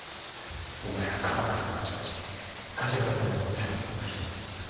今や鎌倉のあちこちに梶原殿の手の者が潜んでいます。